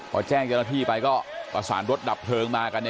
พอแจ้งเจ้าหน้าที่ไปก็ประสานรถดับเพลิงมากัน